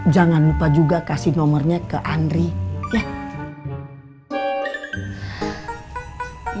jangan lupa juga kasih nomornya ke anri ya